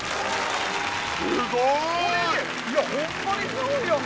すごい！ホンマにすごいやんか！